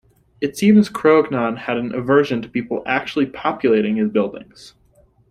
It seems Kroagnon had an aversion to people actually populating his buildings.